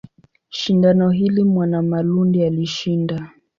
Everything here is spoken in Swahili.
Shindano hili Mwanamalundi alishinda.